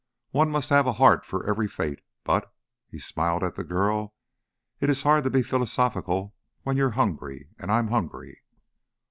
One must have a heart for every fate, but," he smiled at the girl, "it is hard to be philosophical when you're hungry. And I'm hungry."